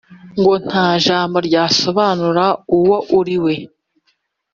ngo ntajambo ryasobanura uwo uriwe